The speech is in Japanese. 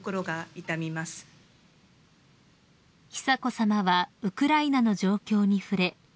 ［久子さまはウクライナの状況に触れ